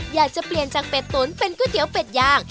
อยากจะเปลี่ยนจากเป็ดตุ๋นเป็นก๋วยเตี๋ยวเป็ดย่าง